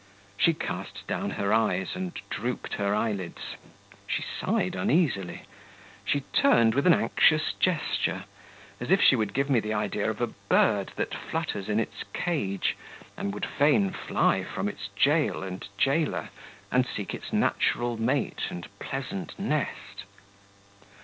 She cast down her eyes, and drooped her eyelids; she sighed uneasily; she turned with an anxious gesture, as if she would give me the idea of a bird that flutters in its cage, and would fain fly from its jail and jailer, and seek its natural mate and pleasant nest.